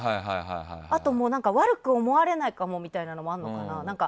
あと、悪く思われないかもみたいなのもあるのかな。